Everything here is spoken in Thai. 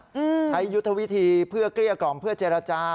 อืมใช้ยุทธวิธีเพื่อเกลี้ยกล่อมเพื่อเจรจา